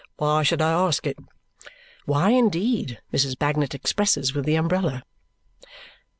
Why should I ask it!" Why indeed, Mrs. Bagnet expresses with the umbrella.